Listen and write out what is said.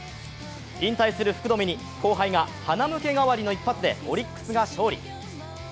引退する福留に、後輩がはなむけ代わりの一発でオリックスが勝利。